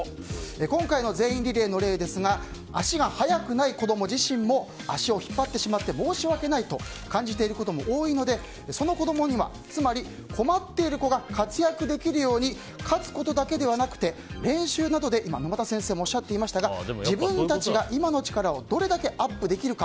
今回の全員リレーの例ですが足が速くない子供自身も足を引っ張ってしまって申し訳ないと感じていることも多いのでその子供には、つまり困っている子が活躍できるように勝つことだけではなくて練習などで沼田先生もおっしゃっていましたが自分たちが今の力をどれだけアップできるか。